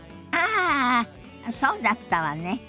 ああそうだったわね。